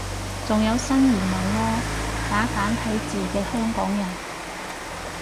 仲有新移民囉，打簡體字嘅香港人